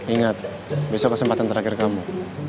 ingat besok kesempatan terakhir kamu